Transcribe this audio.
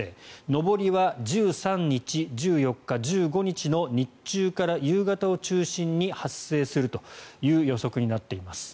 上りは１３日、１４日、１５日の日中から夕方を中心に発生するという予測になっています。